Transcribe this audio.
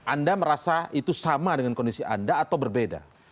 anda merasa itu sama dengan kondisi anda atau berbeda